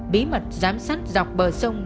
bí mật giám sát dọc bờ sông